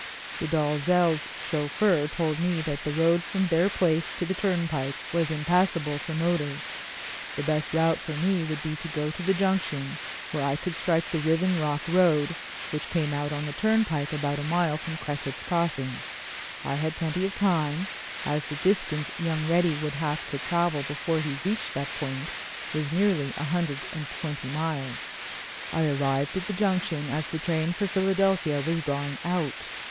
"The Dalzells' chauffeur told me that the road from their place to the turnpike was impassable for motors. The best route for me would be to go to the Junction, where I could strike the Riven Rock Road, which came out on the turnpike about a mile from Cresset's Crossing. I had plenty of time, as the distance young Reddy would have to travel before he reached that point was nearly a hundred and twenty miles. "I arrived at the Junction as the train for Philadelphia was drawing out.